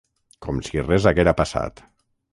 Com si res haguera passat.